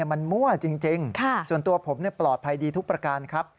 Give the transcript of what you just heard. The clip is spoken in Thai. มันมั่วจริงส่วนตัวผมปลอดภัยดีทุกประการครับ